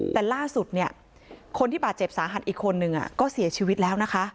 แต่ล่าสุดเนี่ยคนที่บาดเจ็บสาหัสอีกคนนึงก็เสียชีวิตแล้วนะคะ